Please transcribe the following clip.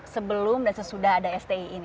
sebelum dan sesudah ada sti ini